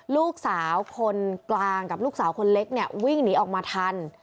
ลูกสาวคนกลางกับลูกสาวคนเล็กเนี่ยวิ่งหนีออกมาทัน